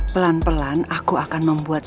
pelan pelan aku akan membuat